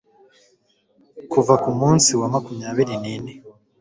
kuva ku munsi wa makumyabiri n ine